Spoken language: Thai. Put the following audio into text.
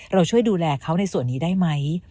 เราช่วยดูแลเขาในส่วนนี้ได้ไหม